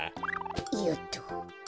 よっと。